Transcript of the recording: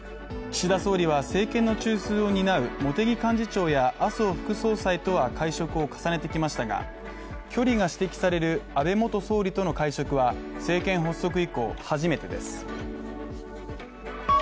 岸田総理は政権の中枢を担う茂木幹事長や麻生副総裁とは会食を重ねてきましたが、距離が指摘される安倍元総理との会食は政権発足以降初めてです。